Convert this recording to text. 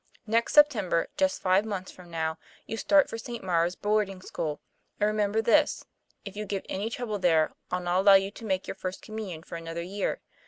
Next September, just five months from now, you start for St. Maure's boarding school, and remember this if you give any trouble there, I'll not allow you to make your First Communion for another year.